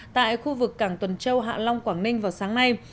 tại khu vực cảng tuần châu hạ long quảng ninh vào sáng nay